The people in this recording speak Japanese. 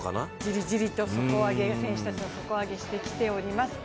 じりじりと選手たちの底上げしてきています。